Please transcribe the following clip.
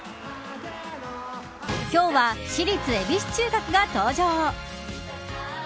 今日は、私立恵比寿中学が登場。